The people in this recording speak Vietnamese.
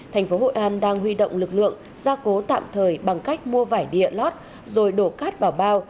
thành phố hội an đang huy động lực lượng gia cố tạm thời bằng cách mua vải địa lót rồi đổ cát vào bao